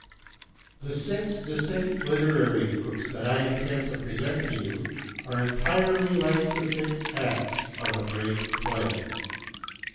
The six distinct literary groups that I intend to present to you are entirely like the six acts of a great play.